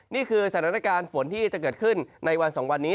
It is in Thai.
นี่คือสถานการณ์ฝนที่จะเกิดขึ้นในวัน๒วันนี้